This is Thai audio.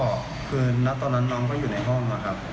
เอ่อคือนักตอนนั้นน้องก็อยู่ในห้องมาครับ